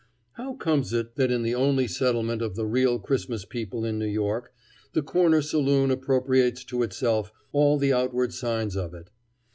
How comes it that in the only settlement of the real Christmas people in New York the corner saloon appropriates to itself all the outward signs of it?